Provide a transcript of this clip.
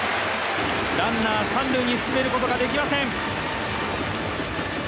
ランナー、三塁に進めることができません。